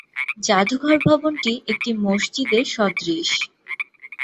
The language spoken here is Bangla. জাদুঘর ভবনটি একটি মসজিদের সদৃশ।